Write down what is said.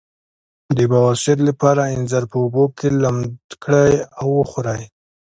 د بواسیر لپاره انځر په اوبو کې لمد کړئ او وخورئ